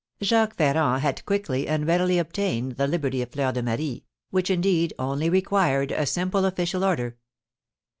Jacques Ferrand had quickly and readily obtained the liberty of Fleur de Marie, which, indeed, only required a simple official order.